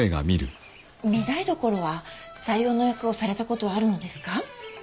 御台所は斎王の役をされたことはあるのですか。